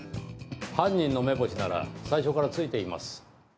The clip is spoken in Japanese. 犯人の目星なら最初からついています。